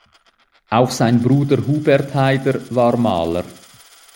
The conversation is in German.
Auch sein Bruder Hubert Haider war Maler.